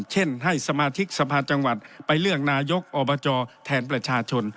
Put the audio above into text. เช่นให้สมาชิกสภาจังหวัดไปเลือกนายกอบจแทนประชาชน